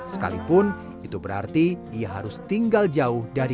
sekalipun itu berarti ia harus mencari informasi tentang smk bakti karya di internet